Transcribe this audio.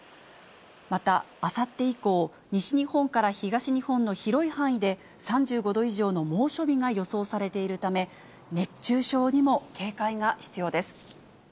また、あさって以降、西日本から東日本の広い範囲で３５度以上の猛暑日が予想されているため、熱中症にも警戒が必要です。